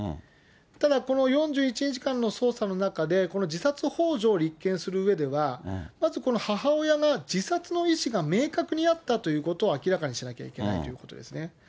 ただ、この４１日間の捜査の中で、この自殺ほう助を立件するうえでは、まずこの母親が自殺の意思が明確にあったということを明らかにしなきゃいけないということですね。